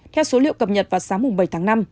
theo số liệu cập nhật vào sáng bảy tháng năm